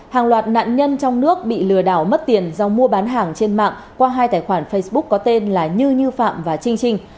hàng loạt nạn nhân trong nước bị lừa đảo mất tiền do mua bán hàng trên mạng qua hai tài khoản facebook có tên là như phạm và trinh trinh